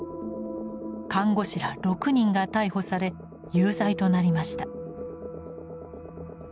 看護師ら６人が逮捕され有罪となりました。